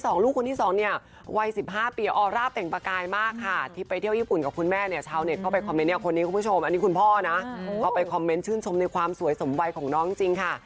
จริงเพราะบทมันแซ่บมากจริง